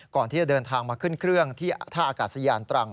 ก่อนที่จะเดินทางมาขึ้นเครื่องที่ท่าอากาศยานตรัง